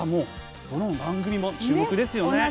どの番組も注目ですよね。